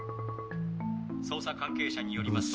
捜査関係者によりますと。